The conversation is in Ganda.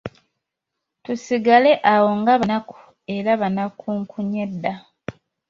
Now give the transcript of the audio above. Tusigale awo ng'abanaku era banakunkunyedda!